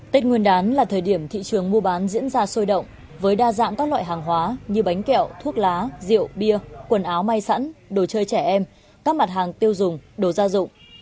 tết nguyên đán là thời điểm thị trường mua bán diễn ra sôi động với đa dạng các loại hàng hóa như bánh kẹo thuốc lá rượu bia quần áo may sẵn đồ chơi trẻ em các mặt hàng tiêu dùng đồ gia dụng